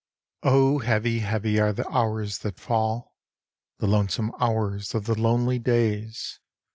Oh, heavy, heavy are the hours that fall, The lonesome hours of the lonely days!